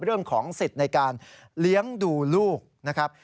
เรื่องของสิทธิ์ในการเลี้ยงดูลูกนะครับ